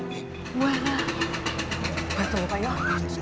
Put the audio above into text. buat dulu pak yuk